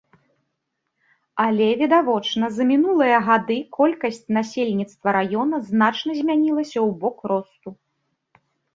Але, відавочна, за мінулыя гады колькасць насельніцтва раёна значна змянілася ў бок росту.